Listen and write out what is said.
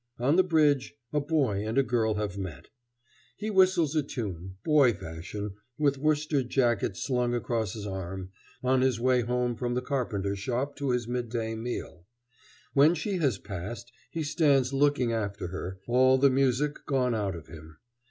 On the bridge a boy and a girl have met. He whistles a tune, boy fashion, with worsted jacket slung across his arm, on his way home from the carpenter shop to his midday meal. When she has passed he stands looking after her, all the music gone out of him.